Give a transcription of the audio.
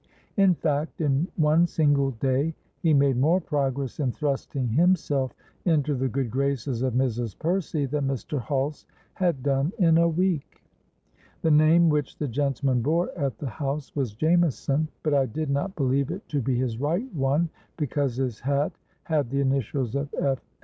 In fact, in one single day he made more progress in thrusting himself into the good graces of Mrs. Percy than Mr. Hulse had done in a week. The name which the gentleman bore at the house was Jameson; but I did not believe it to be his right one, because his hat had the initials of F.